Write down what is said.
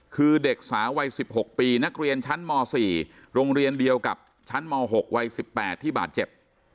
คือเด็กสาวัยสิบหกปีนักเรียนชั้นหมอสี่โรงเรียนเดียวกับชั้นหมอหกวัยสิบแปดที่บาดเจ็บ